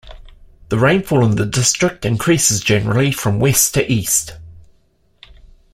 The rainfall in the district increases generally from west to east.